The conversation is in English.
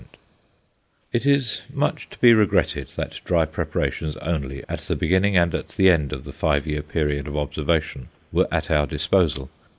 5% It is much to be regretted that dry preparations only at the beginning and at the end of the five year period of observation were at our disposal.